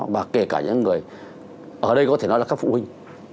và kể cả những người ở đây có thể nói là các phụ huynh